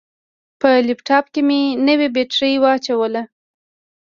په لپټاپ کې مې نوې بطرۍ واچوله.